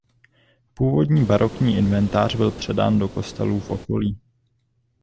Původní barokní inventář byl předán do kostelů v okolí.